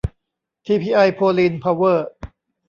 ทีพีไอ โพลีน เพาเวอร์